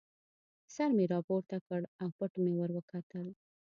سر مې را پورته کړ او پټ مې ور وکتل.